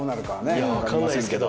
いやわかんないですけど。